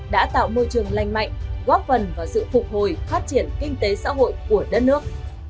đã tạo môi trường lành mạnh góp phần vào sự phục hồi phát triển kinh tế xã hội của đất nước